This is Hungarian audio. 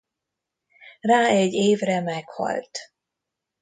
Rá egy évre meghalt.